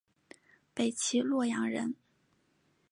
北齐洛阳人。